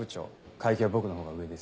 階級は僕のほうが上です。